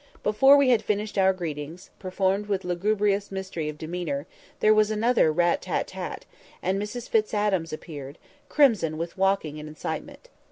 Before we had finished our greetings, performed with lugubrious mystery of demeanour, there was another rat tat tat, and Mrs Fitz Adam appeared, crimson with walking and excitement.